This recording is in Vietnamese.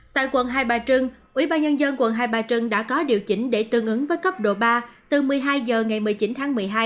tại quận hai bà trưng ủy ban nhân dân quận hai bà trưng đã có điều chỉnh để tương ứng với cấp độ ba từ một mươi hai h ngày một mươi chín tháng một mươi hai